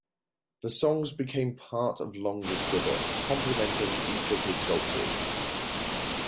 The songs became part of Long's exhibit, complementing each of his sculptures.